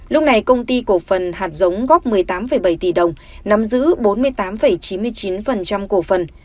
lúc này công ty cổ phần hạt giống góp một mươi tám bảy tỷ đồng nắm giữ bốn mươi tám chín mươi chín cổ phần